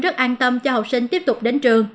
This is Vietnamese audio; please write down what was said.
rất an tâm cho học sinh tiếp tục đến trường